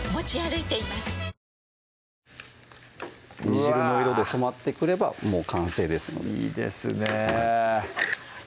煮汁の色で染まってくればもう完成ですのでいいですね